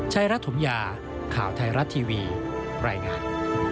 รัฐถมยาข่าวไทยรัฐทีวีรายงาน